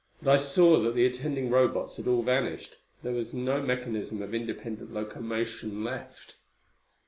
But I saw that the attending Robots had all vanished. There was no mechanism of independent locomotion left.